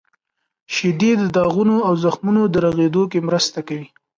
• شیدې د داغونو او زخمونو د رغیدو کې مرسته کوي.